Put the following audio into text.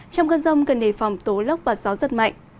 trong cơn rông cần nề phòng tố lốc và gió rất mạnh